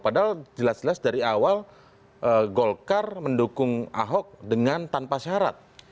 padahal jelas jelas dari awal golkar mendukung ahok dengan tanpa syarat